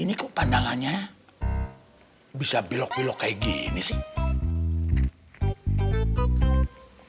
ini kok pandangannya bisa belok belok kayak gini sih